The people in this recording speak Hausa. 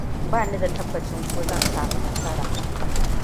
Ba ni da tabbacin ko zan sami nasara.